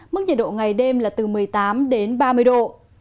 mức nhiệt độ ngày đêm là từ một mươi tám đến ba mươi độ